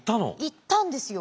行ったんですよ。